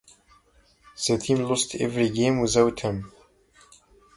The team lost every game without him.